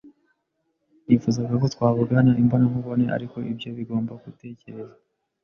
Nifuzaga ko twavugana imbonankubone, ariko ibyo bigomba gutegereza